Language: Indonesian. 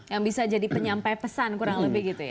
yang bisa jadi penyampai pesan kurang lebih gitu ya